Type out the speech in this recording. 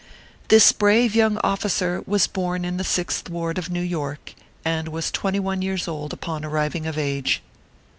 This brave young officer was born in the Sixth Ward of New York, and was twenty one years old upon arriving of age.